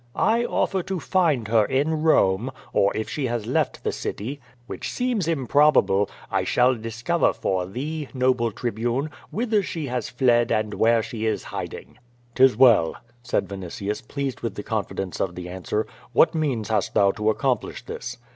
I offer to find her in Borne, or if she has left the city, which seems im THE GOLDENHAIREU EUNICE. QUO VADI8. 109 probable, I shall discover for thee, noble Tribune, whither she has fled and where she is hiding." " 'Tis well," said Vinitius, pleased with the confidence of the answer, "what means hast thou to accomplish this?"